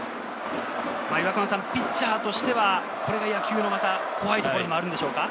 ピッチャーとしてはこれが野球の怖いところでもあるんでしょうか？